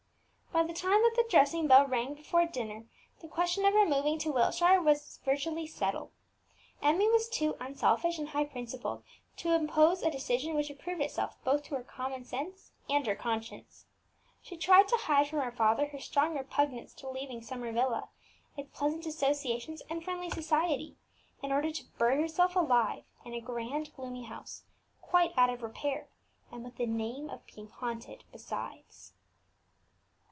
By the time that the dressing bell rang before dinner, the question of removing to Wiltshire was virtually settled. Emmie was too unselfish and high principled to oppose a decision which approved itself both to her common sense and her conscience. She tried to hide from her father her strong repugnance to leaving Summer Villa, its pleasant associations and friendly society, in order to bury herself alive in a grand, gloomy house, quite out of repair, and with the name of being haunted besides.